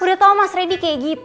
udah mana efek deh ini